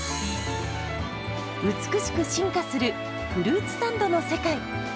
美しく進化するフルーツサンドの世界。